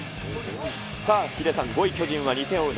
さあ、ヒデさん、５位巨人は２点を追う